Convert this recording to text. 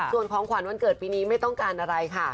ส่วนของขวัญวันเกิดปีนี้ไม่ต้องการอะไรค่ะ